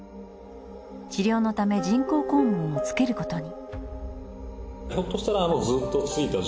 治療のため人工肛門をつけることに。